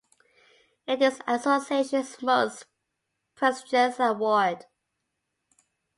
It is the Association's most prestigious award.